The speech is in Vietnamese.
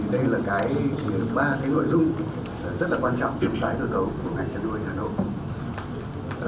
đây là ba nội dung rất quan trọng trong tái cơ cấu của ngành chăn nuôi hà nội